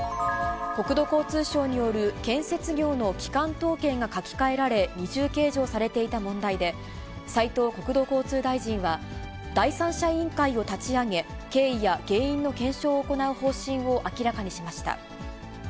国土交通省による建設業の基幹統計が書き換えられ、二重計上されていた問題で、斉藤国土交通大臣は、第三者委員会を立ち上げ、経緯や原因の検証を行う方針を明らかにしました。